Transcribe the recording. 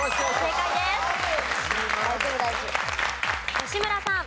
吉村さん。